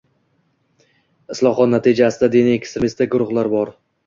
Islohot natijasida diniy ekstremistik guruhlar bor